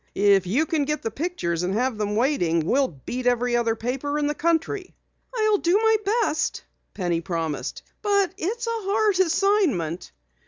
"If you can get the pictures and have them waiting, we'll beat every other paper in the country!" "I'll do my best," Penny promised. "But it's a hard assignment."